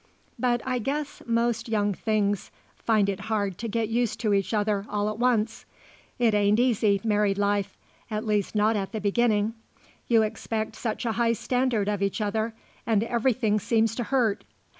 But I guess most young things find it hard to get used to each other all at once. It ain't easy, married life; at least not at the beginning. You expect such a high standard of each other and everything seems to hurt.